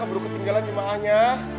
keburu ketinggalan jumlahnya